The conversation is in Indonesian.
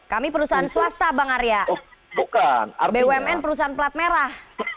kami perusahaan swasta bang arya bumn perusahaan pelat merah